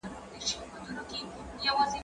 خواړه ورکړه؟